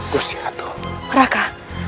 kusir atau meraka